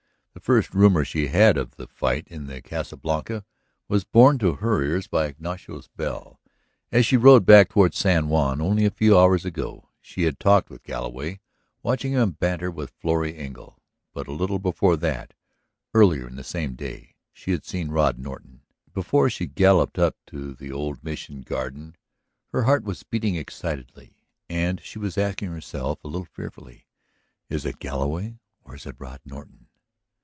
The first rumor she had of the fight in the Casa Blanca was borne to her ears by Ignacio's bell as she rode back toward San Juan. Only a few hours ago she had talked with Galloway, watching him banter with Florrie Engle; but a little before that, earlier in the same day, she had seen Rod Norton. Before she galloped up to the old Mission garden her heart was beating excitedly, and she was asking herself, a little fearfully: "Is it Galloway or is it Rod Norton?"